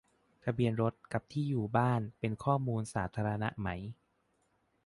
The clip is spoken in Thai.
ทะเบียนรถ กับ ที่อยู่บ้าน เป็น "ข้อมูลสาธารณะ" ไหม ?